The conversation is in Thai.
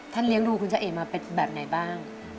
ท่านเลี้ยงรูคุณเจ๊เอ็งมาเป็นแบบไหนบ้าง